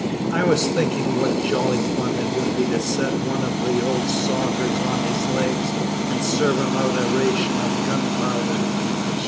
"I was thinking what jolly fun it would be to set one of the old sogers on his legs and serve him out a ration of gunpowder."